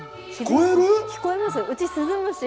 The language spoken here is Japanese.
聞こえます。